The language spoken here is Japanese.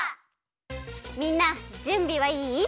みんなじゅんびはいい？